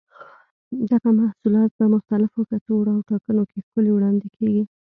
دغه محصولات په مختلفو کڅوړو او پاکټونو کې ښکلي وړاندې کېږي.